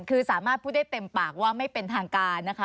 คือสามารถพูดได้เต็มปากว่าไม่เป็นทางการนะคะ